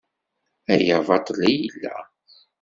Aya baṭel i yella?